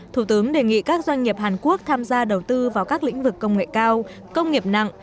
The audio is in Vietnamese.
thủ tướng đề nghị các doanh nghiệp hàn quốc tham gia đầu tư vào các lĩnh vực công nghệ cao công nghiệp nặng